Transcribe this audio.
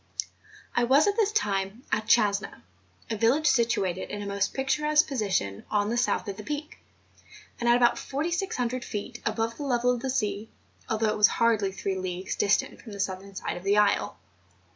I was, at this time, at Chasna, a village situated in a most picturesque position on the south of the peak, and at about 4600 feet above the level of the sea, although it was hardly three leagues distant from the southern side of the isle.